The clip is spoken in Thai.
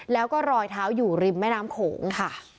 แล้วก็รอยเท้าอยู่ริมแม่น้ำโขงค่ะ